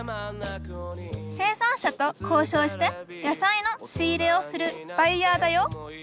生産者とこうしょうして野菜の仕入れをするバイヤーだよ